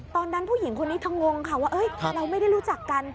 ตอนนั้นผู้หญิงคนนี้เธองงค่ะว่าเราไม่ได้รู้จักกัน